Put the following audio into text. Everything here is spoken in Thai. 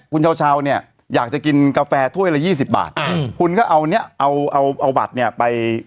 คุณเช่าเนี่ยอยากจะกินกาแฟถ้วยละ๒๐บาทคุณก็เอาเนี่ยเอาบัตรเนี่ยไป